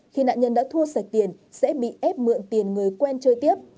khi nạn nhân đã thua sạch tiền sẽ bị ép mượn tiền người quen chơi tiếp